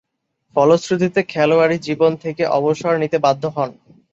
ফলশ্রুতিতে খেলোয়াড়ী জীবন থেকে অবসর নিতে বাধ্য হন।